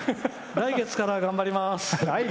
来月から頑張ります！